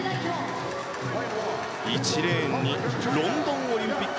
１レーンロンドンオリンピック